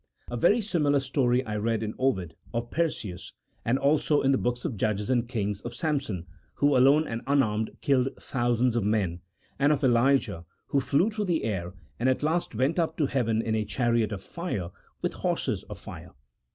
A very similar story I read in Ovid of Perseus, and also in the books of Judges and Kings of Samson, who alone and unarmed killed thousands of men, and of Elijah, who flew through the air, and at last went up to heaven in a chariot of fire, with horses of fire.